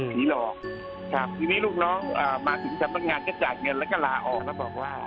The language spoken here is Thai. หลอกครับทีนี้ลูกน้องมาถึงสำนักงานก็จ่ายเงินแล้วก็ลาออกแล้วบอกว่า